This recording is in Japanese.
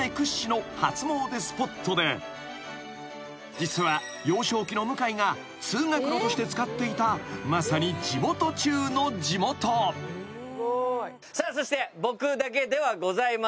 ［実は幼少期の向井が通学路として使っていたまさに地元中の地元］さあそして僕だけではございません。